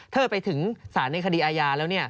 ถ้าไปถึงสารในคดีอาญาแล้ว